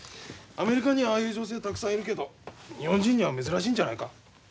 アメリカにはああいう女性はたくさんいるけど日本人には珍しいんじゃないか。